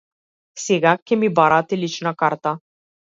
Сега ќе ми бараат и лична карта.